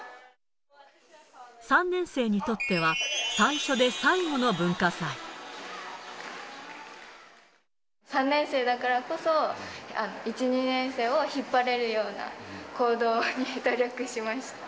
３年生にとっては、最初で最３年生だからこそ、１、２年生を引っ張れるような行動を努力しました。